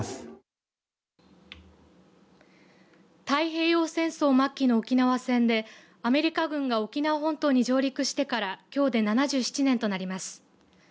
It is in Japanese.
太平洋戦争末期の沖縄戦でアメリカ軍が沖縄本島に上陸してからきょうで７７年となります。